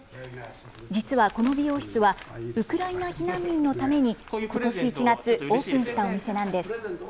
実はこの美容室はウクライナ避難民のためにことし１月、オープンしたお店なんです。